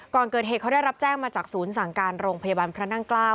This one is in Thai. ก่อนเกิดเหตุเขาได้รับแจ้งมาจากศูนย์สั่งการโรงพยาบาลพระนั่งเกล้า